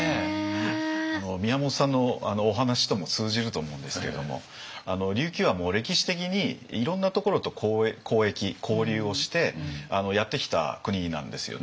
宮本さんのお話とも通じると思うんですけれども琉球は歴史的にいろんなところと交易交流をしてやってきた国なんですよね。